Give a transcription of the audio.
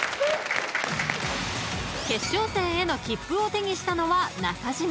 ［決勝戦への切符を手にしたのは中島］